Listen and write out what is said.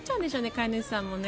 飼い主さんもね。